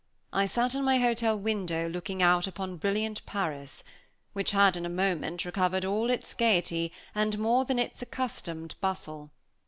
I sat in my hotel window looking out upon brilliant Paris, which had, in a moment, recovered all its gaiety, and more than its accustomed bustle.